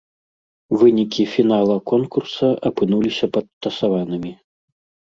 Вынікі фінала конкурса апынуліся падтасаванымі.